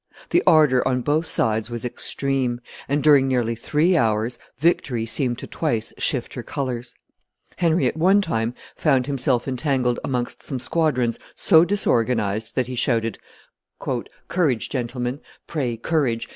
The ardor on both sides was extreme; and, during nearly three hours, victory seemed to twice shift her colors. Henry at one time found himself entangled amongst some squadrons so disorganized that he shouted, "Courage, gentlemen; pray, courage!